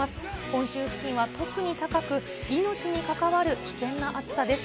本州付近は特に高く、命に関わる危険な暑さです。